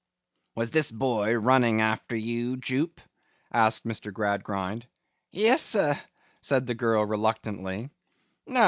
'Was this boy running after you, Jupe?' asked Mr. Gradgrind. 'Yes, sir,' said the girl reluctantly.